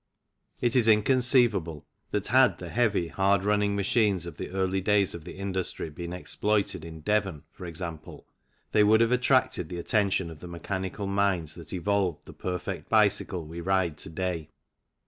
It is inconceivable that had the heavy, hard running machines of the early days of the industry been exploited in Devon, for example, they would have attracted the attention of the mechanical minds that evolved the perfect bicycle we ride to day.